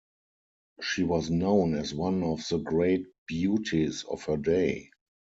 She was known as one of the great beauties of her day.